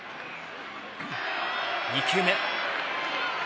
２球目。